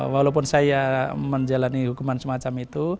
walaupun saya menjalani hukuman semacam itu